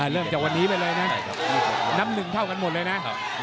เริ่มจากวันนี้ไปเลยนะน้ำหนึ่งเท่ากันหมดเลยนะ